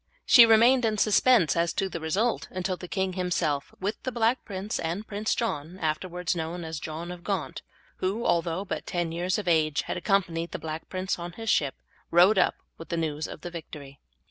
She remained in suspense as to the result until the king himself with the Black Prince and Prince John, afterwards known as John of Gaunt, who, although but ten years of age, had accompanied the Black Prince in his ship, rode up with the news of the victory.